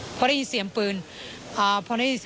ส่วนรถที่นายสอนชัยขับอยู่ระหว่างการรอให้ตำรวจสอบ